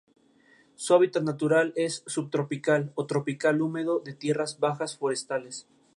Su hábitat natural es subtropical o tropical húmedo de tierras bajas forestales.